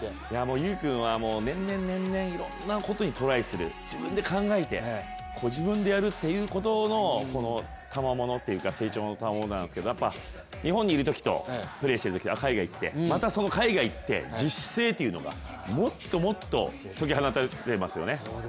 有君は年々、年々、いろんなことにトライする、自分で考えて、自分でやるということのたまものというか成長のたまものなんですけれどもやっぱり日本にいるときとプレーしているときは、海外行ってまた海外に行って自主性というのがもっともっと解き放たれてますよね。